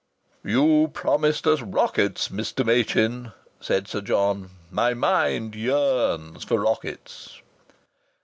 "You promised us rockets, Mr. Machin," said Sir John. "My mind yearns for rockets."